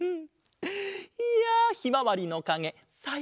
いやひまわりのかげさいこうだった！